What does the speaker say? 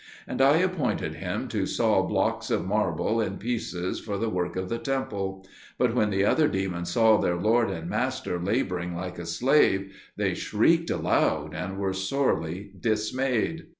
And I appointed him to saw blocks of marble in pieces for the work of the temple; but when the other demons saw their lord and master labouring like a slave, they shrieked aloud and were sorely dismayed.